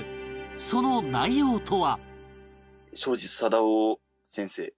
その内容とは